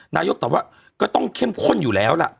นายกตอบว่าก็ต้องเข้มข้นอยู่แล้วล่ะ